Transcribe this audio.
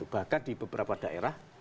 bahkan di beberapa daerah